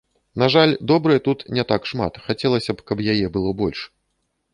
На жаль, добрай тут не так шмат, хацелася б, каб яе было больш.